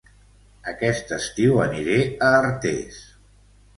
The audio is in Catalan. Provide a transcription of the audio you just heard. Aquest estiu aniré a Artés